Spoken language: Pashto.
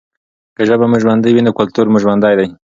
که ژبه مو ژوندۍ وي نو کلتور مو ژوندی دی.